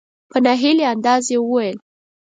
په نا هیلي انداز یې وویل .